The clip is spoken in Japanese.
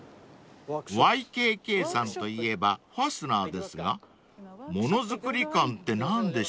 ［ＹＫＫさんといえばファスナーですがものづくり館って何でしょう？］